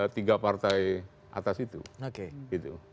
tiga partai atas itu